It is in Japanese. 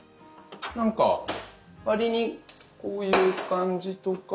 なんか割にこういう感じとか。